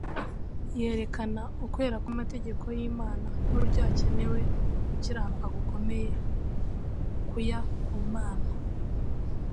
Yerekana ukwera kw'amategeko y'Imana n'uburyo hakenewe gukiranuka gukomeye kuya ku Mana.